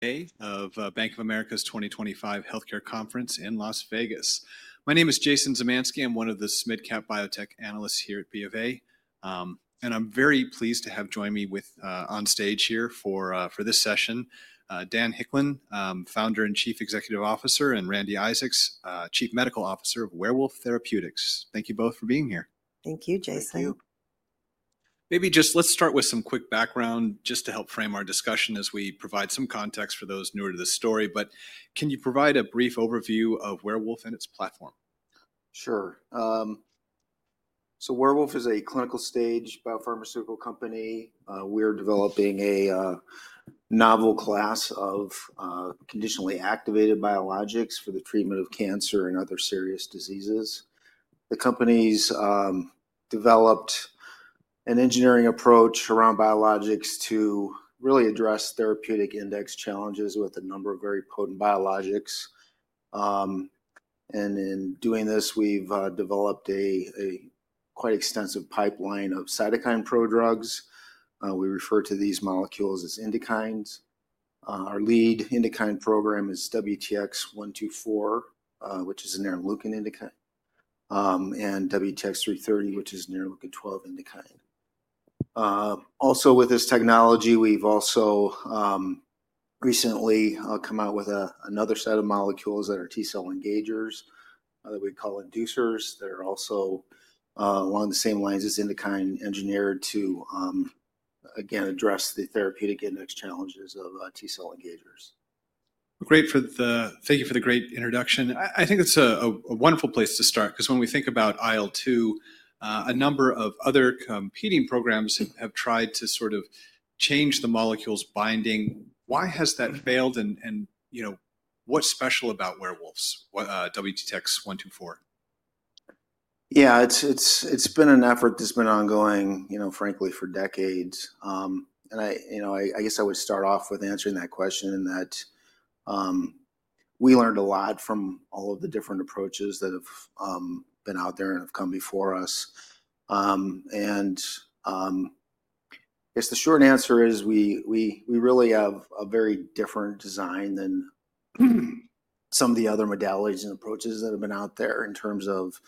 Day of Bank of America's 2025 Healthcare Conference in Las Vegas. My name is Jason Zemansky. I'm one of the mid-cap biotech analysts here at BofA, and I'm very pleased to have joined me on stage here for this session. Dan Hicklin, Founder and Chief Executive Officer, and Randi Isaacs, Chief Medical Officer of Werewolf Therapeutics. Thank you both for being here. Thank you, Jason. Thank you. Maybe just let's start with some quick background just to help frame our discussion as we provide some context for those newer to the story. Can you provide a brief overview of Werewolf and its platform? Sure. Werewolf is a clinical stage biopharmaceutical company. We are developing a novel class of conditionally activated biologics for the treatment of cancer and other serious diseases. The company has developed an engineering approach around biologics to really address therapeutic index challenges with a number of very potent biologics. In doing this, we have developed a quite extensive pipeline of cytokine prodrugs. We refer to these molecules as INDUKINEs. Our lead INDUKINE program is WTX-124, which is an IL-2 INDUKINE, and WTX-330, which is an IL-12 INDUKINE. Also, with this technology, we have recently come out with another set of molecules that are T-cell engagers that we call Inducers that are also along the same lines as INDUKINE, engineered to, again, address the therapeutic index challenges of T-cell engagers. Thank you for the great introduction. I think it's a wonderful place to start because when we think about IL-2, a number of other competing programs have tried to sort of change the molecules' binding. Why has that failed? What's special about Werewolf's WTX-124? Yeah, it's been an effort that's been ongoing, frankly, for decades. I guess I would start off with answering that question in that we learned a lot from all of the different approaches that have been out there and have come before us. I guess the short answer is we really have a very different design than some of the other modalities and approaches that have been out there in terms of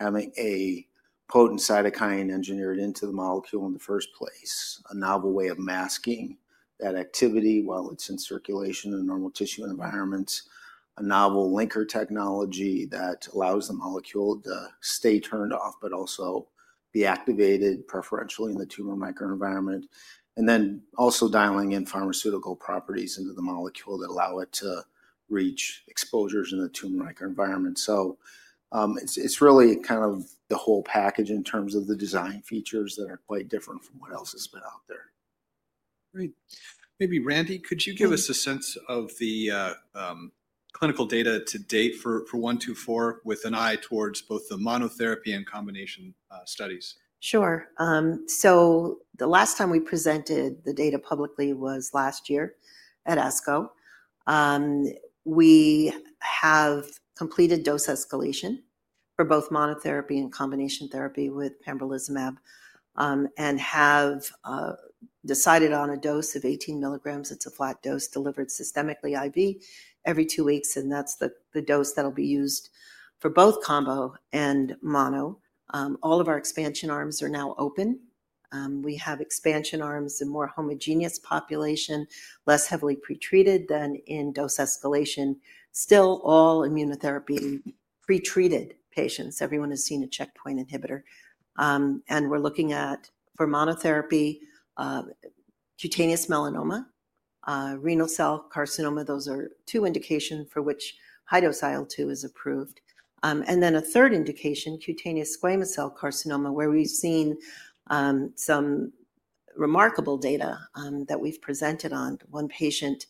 having a potent cytokine engineered into the molecule in the first place, a novel way of masking that activity while it's in circulation in normal tissue environments, a novel linker technology that allows the molecule to stay turned off, but also be activated preferentially in the tumor microenvironment, and then also dialing in pharmaceutical properties into the molecule that allow it to reach exposures in the tumor microenvironment. It's really kind of the whole package in terms of the design features that are quite different from what else has been out there. Great. Maybe Randi, could you give us a sense of the clinical data to date for 124 with an eye towards both the monotherapy and combination studies? Sure. The last time we presented the data publicly was last year at ASCO. We have completed dose escalation for both monotherapy and combination therapy with pembrolizumab and have decided on a dose of 18 mg. It is a flat dose delivered systemically IV every two weeks, and that is the dose that will be used for both combo and mono. All of our expansion arms are now open. We have expansion arms in a more homogeneous population, less heavily pretreated than in dose escalation, still all immunotherapy pretreated patients. Everyone has seen a checkpoint inhibitor. We are looking at, for monotherapy, cutaneous melanoma, renal cell carcinoma. Those are two indications for which high-dose IL-2 is approved. A third indication, cutaneous squamous cell carcinoma, where we've seen some remarkable data that we've presented on one patient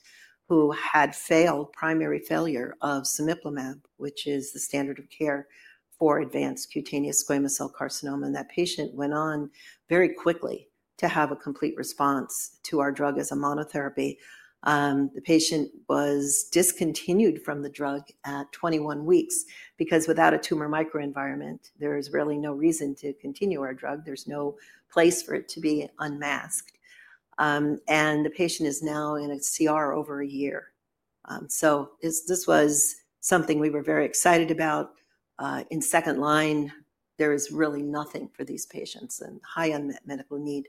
who had failed primary failure of cemiplimab, which is the standard of care for advanced cutaneous squamous cell carcinoma. That patient went on very quickly to have a complete response to our drug as a monotherapy. The patient was discontinued from the drug at 21 weeks because without a tumor microenvironment, there is really no reason to continue our drug. There's no place for it to be unmasked. The patient is now in a CR over a year. This was something we were very excited about. In second line, there is really nothing for these patients and high unmet medical need.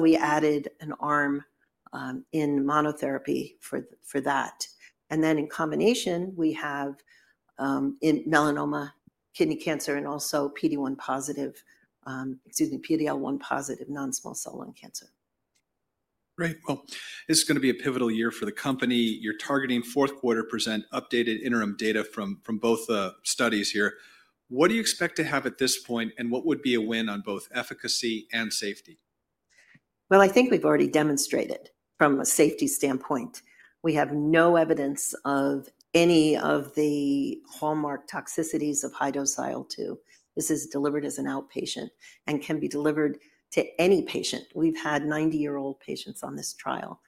We added an arm in monotherapy for that. In combination, we have melanoma, kidney cancer, and also PD-L1 positive non-small cell lung cancer. Great. This is going to be a pivotal year for the company. You're targeting fourth quarter to present updated interim data from both studies here. What do you expect to have at this point, and what would be a win on both efficacy and safety? I think we've already demonstrated from a safety standpoint. We have no evidence of any of the hallmark toxicities of high-dose IL-2. This is delivered as an outpatient and can be delivered to any patient. We've had 90-year-old patients on this trial.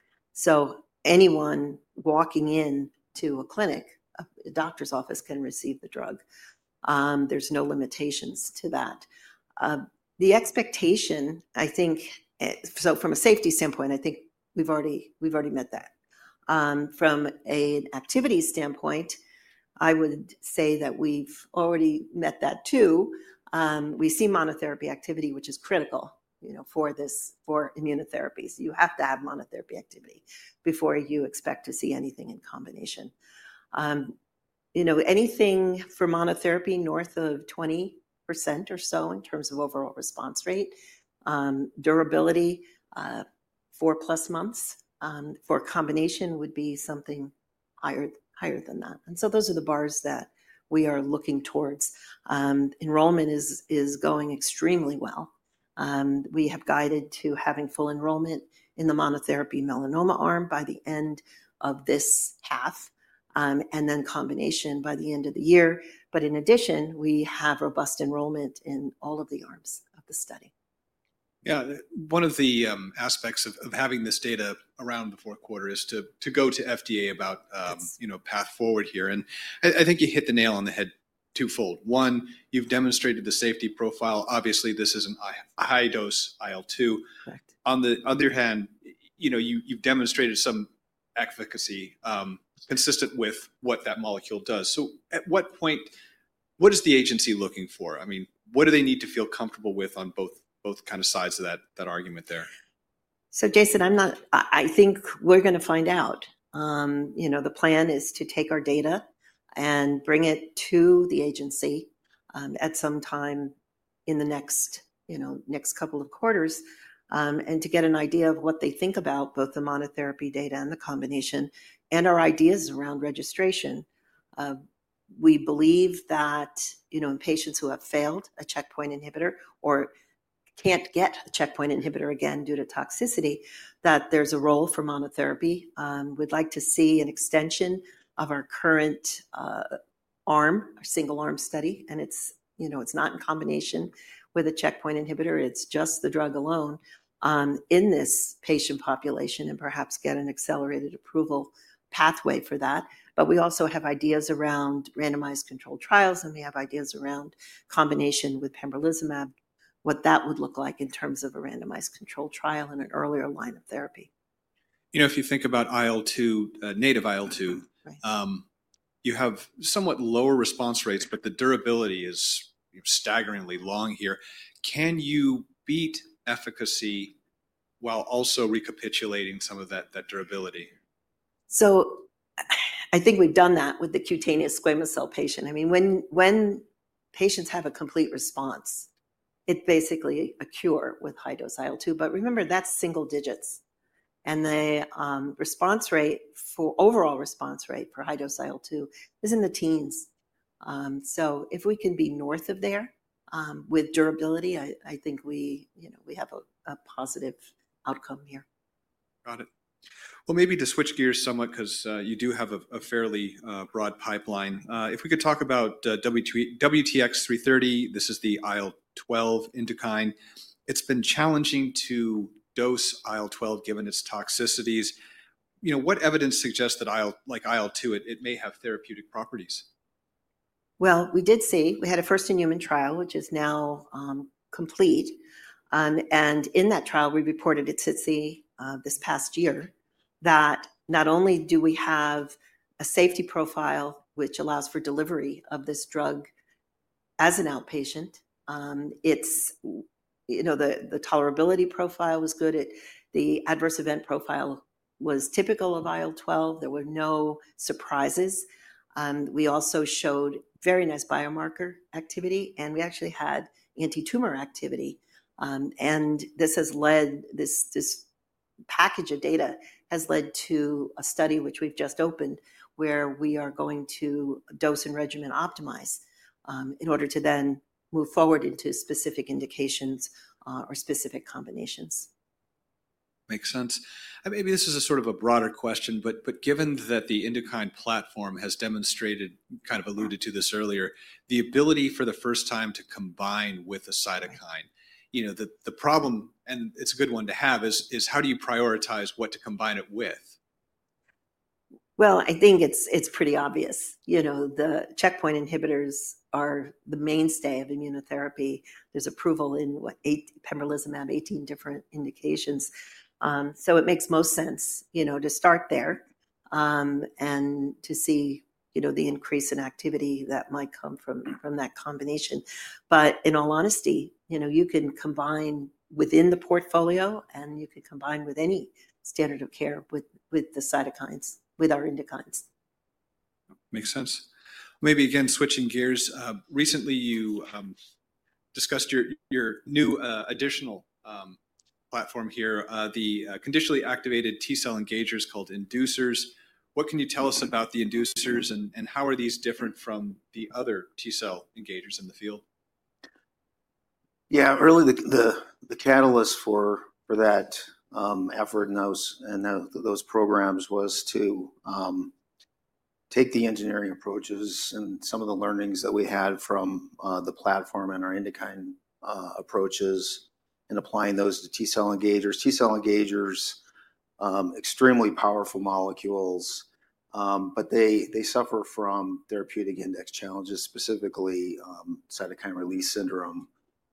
Anyone walking into a clinic, a doctor's office can receive the drug. There's no limitations to that. The expectation, I think, from a safety standpoint, I think we've already met that. From an activity standpoint, I would say that we've already met that too. We see monotherapy activity, which is critical for immunotherapies. You have to have monotherapy activity before you expect to see anything in combination. Anything for monotherapy north of 20% or so in terms of overall response rate, durability, 4+ months for combination would be something higher than that. Those are the bars that we are looking towards. Enrollment is going extremely well. We have guided to having full enrollment in the monotherapy melanoma arm by the end of this half and then combination by the end of the year. In addition, we have robust enrollment in all of the arms of the study. Yeah. One of the aspects of having this data around the fourth quarter is to go to FDA about a path forward here. I think you hit the nail on the head twofold. One, you've demonstrated the safety profile. Obviously, this is a high-dose IL-2. On the other hand, you've demonstrated some efficacy consistent with what that molecule does. At what point, what is the agency looking for? I mean, what do they need to feel comfortable with on both kind of sides of that argument there? Jason, I think we're going to find out. The plan is to take our data and bring it to the agency at some time in the next couple of quarters and to get an idea of what they think about both the monotherapy data and the combination and our ideas around registration. We believe that in patients who have failed a checkpoint inhibitor or can't get a checkpoint inhibitor again due to toxicity, that there's a role for monotherapy. We'd like to see an extension of our current arm, our single-arm study. It's not in combination with a checkpoint inhibitor. It's just the drug alone in this patient population and perhaps get an accelerated approval pathway for that. We also have ideas around randomized controlled trials, and we have ideas around combination with pembrolizumab, what that would look like in terms of a randomized controlled trial in an earlier line of therapy. You know, if you think about IL-2, native IL-2, you have somewhat lower response rates, but the durability is staggeringly long here. Can you beat efficacy while also recapitulating some of that durability? I think we've done that with the cutaneous squamous cell patient. I mean, when patients have a complete response, it's basically a cure with high-dose IL-2. But remember, that's single digits. And the response rate, overall response rate for high-dose IL-2 is in the teens. If we can be north of there with durability, I think we have a positive outcome here. Got it. Maybe to switch gears somewhat because you do have a fairly broad pipeline. If we could talk about WTX-330, this is the IL-12 INDUKINE. It's been challenging to dose IL-12 given its toxicities. What evidence suggests that like IL-2, it may have therapeutic properties? We did see we had a first-in-human trial, which is now complete. In that trial, we reported at SITC this past year that not only do we have a safety profile, which allows for delivery of this drug as an outpatient, the tolerability profile was good. The adverse event profile was typical of IL-12. There were no surprises. We also showed very nice biomarker activity, and we actually had anti-tumor activity. This package of data has led to a study, which we've just opened, where we are going to dose and regimen optimize in order to then move forward into specific indications or specific combinations. Makes sense. Maybe this is a sort of a broader question, but given that the INDUKINE platform has demonstrated, kind of alluded to this earlier, the ability for the first time to combine with a cytokine, the problem, and it's a good one to have, is how do you prioritize what to combine it with? I think it's pretty obvious. The checkpoint inhibitors are the mainstay of immunotherapy. There's approval in pembrolizumab, 18 different indications. It makes most sense to start there and to see the increase in activity that might come from that combination. In all honesty, you can combine within the portfolio, and you can combine with any standard of care with the cytokines, with our INDUKINEs. Makes sense. Maybe again, switching gears, recently you discussed your new additional platform here, the conditionally activated T-cell engagers called inducers. What can you tell us about the inducers, and how are these different from the other T-cell engagers in the field? Yeah, early, the catalyst for that effort and those programs was to take the engineering approaches and some of the learnings that we had from the platform and our INDUKINE approaches and applying those to T-cell engagers. T-cell engagers, extremely powerful molecules, but they suffer from therapeutic index challenges, specifically cytokine release syndrome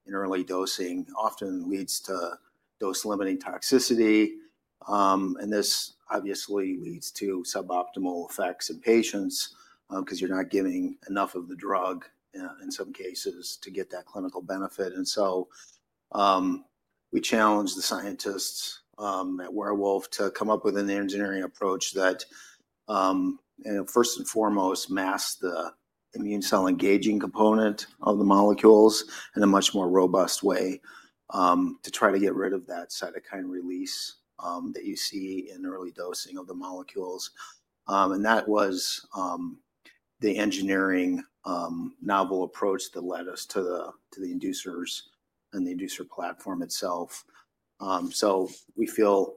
in early dosing, often leads to dose-limiting toxicity. This obviously leads to suboptimal effects in patients because you're not giving enough of the drug in some cases to get that clinical benefit. We challenged the scientists at Werewolf to come up with an engineering approach that, first and foremost, masks the immune cell engaging component of the molecules in a much more robust way to try to get rid of that cytokine release that you see in early dosing of the molecules. That was the engineering novel approach that led us to the inducers and the inducer platform itself. We feel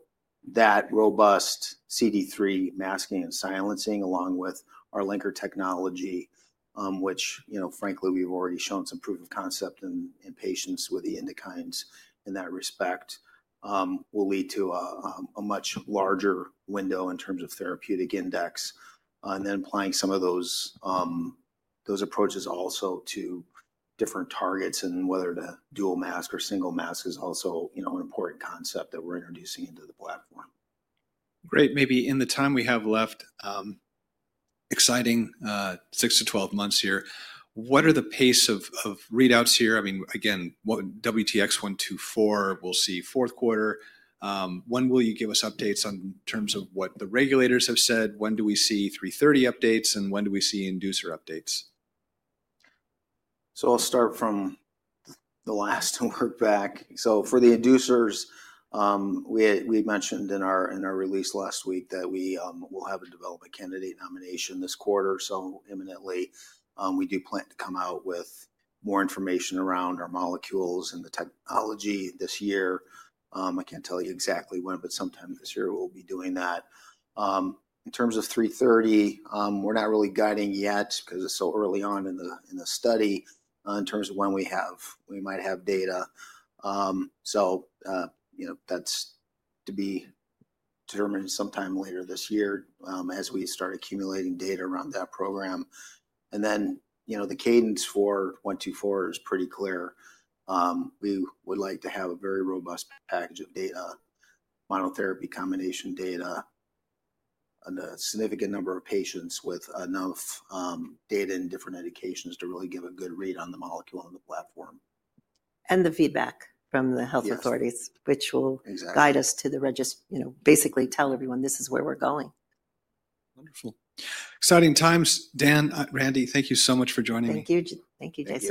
that robust CD3 masking and silencing, along with our linker technology, which, frankly, we've already shown some proof of concept in patients with the INDUKINEs in that respect, will lead to a much larger window in terms of therapeutic index. Applying some of those approaches also to different targets and whether to dual mask or single mask is also an important concept that we're introducing into the platform. Great. Maybe in the time we have left, exciting six to 12 months here, what are the pace of readouts here? I mean, again, WTX-124, we'll see fourth quarter. When will you give us updates on terms of what the regulators have said? When do we see 330 updates and when do we see inducer updates? I'll start from the last and work back. For the inducers, we mentioned in our release last week that we will have a development candidate nomination this quarter. Imminently, we do plan to come out with more information around our molecules and the technology this year. I can't tell you exactly when, but sometime this year we'll be doing that. In terms of 330, we're not really guiding yet because it's so early on in the study in terms of when we might have data. That's to be determined sometime later this year as we start accumulating data around that program. The cadence for 124 is pretty clear. We would like to have a very robust package of data, monotherapy combination data, and a significant number of patients with enough data in different indications to really give a good read on the molecule on the platform. The feedback from the health authorities, which will guide us to basically tell everyone, this is where we're going. Wonderful. Exciting times. Dan, Randi, thank you so much for joining me. Thank you. Thank you, Jason.